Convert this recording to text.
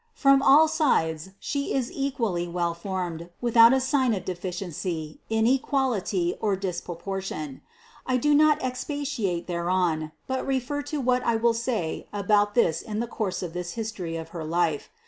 From all sides She is equally well formed, without a sign of de ficiency, inequality or disproportion. I do not expatiate thereon, but refer to what I will say about this in the course of this history of her life.